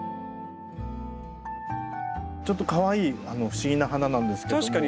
ちょっとかわいい不思議な花なんですけども。